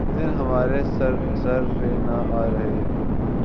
کس دن ہمارے سر پہ نہ آرے چلا کیے